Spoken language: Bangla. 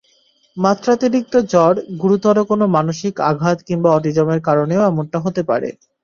মাত্রাতিরিক্ত জ্বর, গুরুতর কোনো মানসিক আঘাত অথবা অটিজমের কারণেও এমনটা হতে পারে।